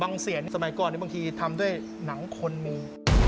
เสียงสมัยก่อนบางทีทำด้วยหนังคนมี